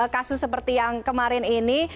kasus seperti yang kemarin ini